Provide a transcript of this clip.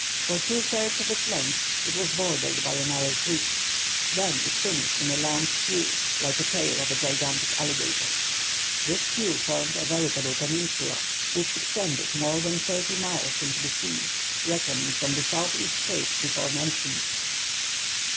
For two thirds of its length it was bordered by a narrow creek; then it finished in along cue, like the tail of a gigantic alligator. This cue formed a veritable peninsula, which extended more than thirty miles into the sea, reckoning from the southeastern cape before mentioned.